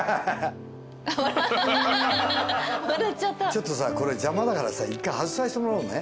ちょっとさこれ邪魔だからさ１回外させてもらおうね。